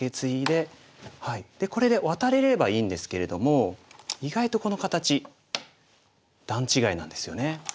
でこれでワタれればいいんですけれども意外とこの形段違いなんですよね。